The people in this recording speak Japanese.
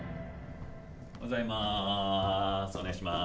おはようございます。